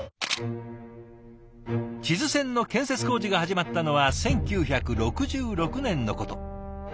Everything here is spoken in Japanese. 智頭線の建設工事が始まったのは１９６６年のこと。